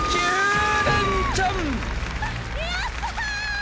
やった！